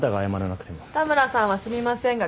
田村さんは「すみません」が口癖。